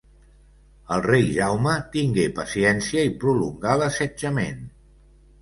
El rei Jaume tingué paciència i prolongà l'assetjament.